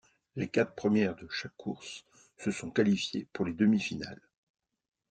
Les quatre premières de chaque course se sont qualifiées pour les demi-finales.